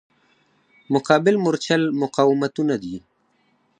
مقابل مورچل مقاومتونه دي.